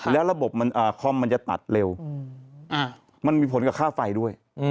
แล้วระบบคอมมันจะตัดเร็วมันมีผลกับค่าไฟด้วย